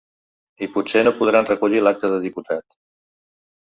I potser no podran recollir l’acta de diputat.